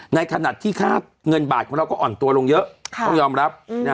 ในขณะที่ค่าเงินบาทของเราก็อ่อนตัวลงเยอะต้องยอมรับ